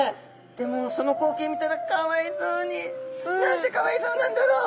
でもうその光景見たら「かわいそうに。なんてかわいそうなんだろう。